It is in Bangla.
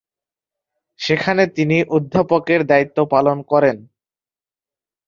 সেখানে তিনি অধ্যাপকের দায়িত্ব পালন করেন।